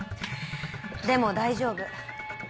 でも大丈夫。